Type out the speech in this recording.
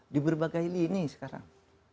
di berbagai lini sekarang